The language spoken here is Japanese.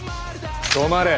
止まれ。